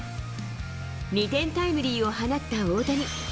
２点タイムリーを放った大谷。